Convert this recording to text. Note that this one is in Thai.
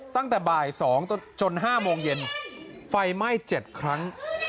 ตั้งแต่บ่ายสองจนห้าโมงเย็นไฟไหม้เจ็ดครั้ง